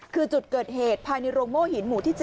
คือจุดเกิดเหตุภายในโรงโม่หินหมู่ที่๗